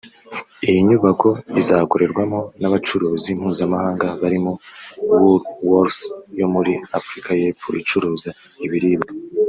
Iyi nyubako izakorerwamo n’abacuruzi mpuzamahanga barimo Woolworths yo muri Afurika y’ Epfo icuruza ibiribwa